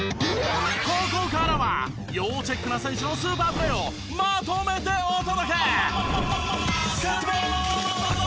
ここからは要チェックな選手のスーパープレーをまとめてお届け！